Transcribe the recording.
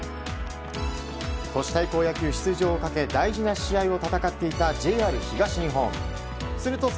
都市対抗野球出場をかけ大事な試合を戦っていたＪＲ東日本。